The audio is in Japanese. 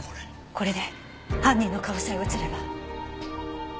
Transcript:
これで犯人の顔さえ映れば。